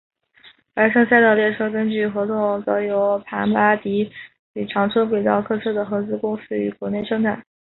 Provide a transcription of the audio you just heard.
而剩下的列车根据合同则由庞巴迪与长春轨道客车的合资公司于国内生产。